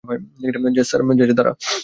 Jazz, দাড়া।